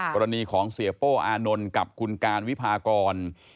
กรณีของเสียโป้อานนท์กับคุณการวิพากร